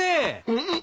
うん？